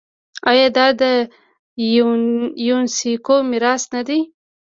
آیا دا د یونیسکو میراث نه دی؟